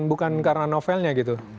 bukan karena novelnya gitu